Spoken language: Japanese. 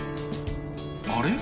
あれ？